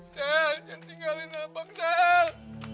sel jangan tinggalin aku pak sel